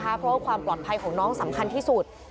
เพราะว่าความปลอดภัยของน้องสำคัญที่สุด